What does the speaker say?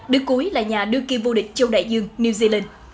đứa cuối là nhà đưa kia vô địch châu đại dương new zealand